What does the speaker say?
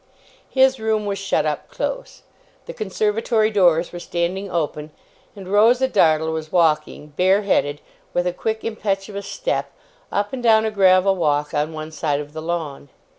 His room was shut up close. The conservatory doors were standing open, and Rosa Dartle was walking, bareheaded, with a quick, impetuous step, up and down a gravel walk on one side of the lawn.